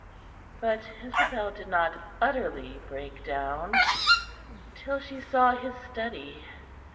But Isabel did not utterly break down till she saw his study.